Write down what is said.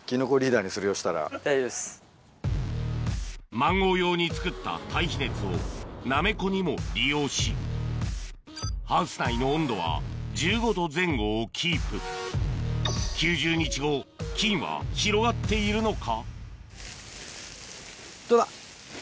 マンゴー用に作った堆肥熱をナメコにも利用しハウス内の温度は１５℃前後をキープ菌は広がっているのか？